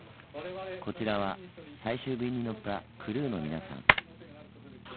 こちらは最終便に乗ったクルーの皆さん。